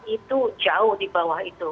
itu jauh di bawah itu